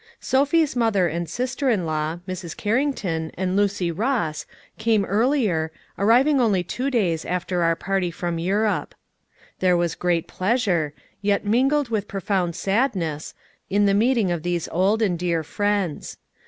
Sophie's mother and sister in law, Mrs. Carrington, and Lucy Ross, came earlier, arriving only two days after our party from Europe. There was great pleasure, yet mingled with profound sadness, in the meeting of these old and dear friends.